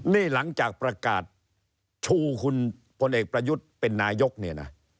นี่หลังจากประกาศชูคุณพลเอกประยุทธ์เป็นนายกเนี่ยนะ